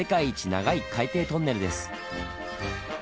長い海底トンネルです。